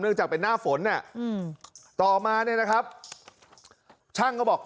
เนื่องจากเป็นหน้าฝนเนี่ยอืมต่อมาเนี่ยนะครับช่างก็บอก